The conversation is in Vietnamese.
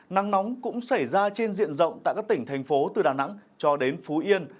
nắng nóng cũng xảy ra trên diện rộng tại các tỉnh thành phố từ đà nẵng cho đến phú yên